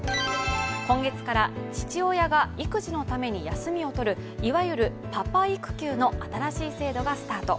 今月から父親が育児のために休みを取るいわゆるパパ育休の新しい制度がスタート。